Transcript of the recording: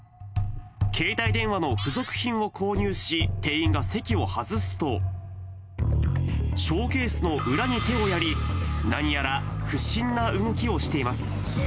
携帯電話の付属品を購入し、店員が席を外すと、ショーケースの裏に手をやり、何やら不審な動きをしています。